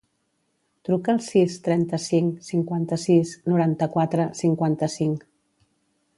Truca al sis, trenta-cinc, cinquanta-sis, noranta-quatre, cinquanta-cinc.